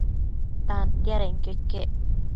Tantiadenquio iquec